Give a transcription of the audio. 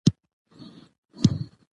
د عصري ټکنالوژۍ سره بلدتیا د وخت غوښتنه ده.